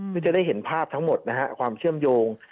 เพื่อจะได้เห็นภาพทั้งหมดนะฮะความเชื่อมโยง